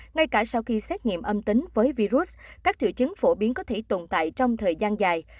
ngay cả sau khi xét nghiệm âm tính với virus các triệu chứng phổ biến có thể tồn tại trong thời gian dài